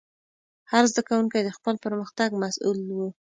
هر زده کوونکی د خپل پرمختګ مسؤل و.